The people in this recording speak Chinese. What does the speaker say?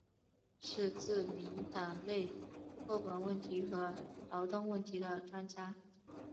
是自民党内厚生问题和劳动问题的专家。